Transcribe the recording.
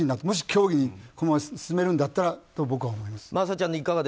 もし競技に進めるんだったらと思います。